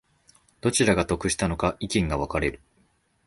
どちらが得したのか意見が分かれる